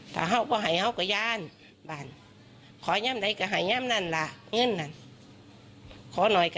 เฮ้าหักแม่เฮ้ามันเห็นแม่เฮ้าหักพวก